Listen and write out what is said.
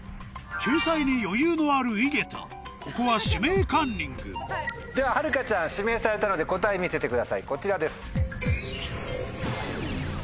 救済に余裕のある井桁ここは「指名カンニング」でははるかちゃん指名されたので答え見せてくださいこちらです。